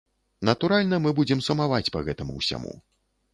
Натуральна, мы будзем сумаваць па гэтаму ўсяму.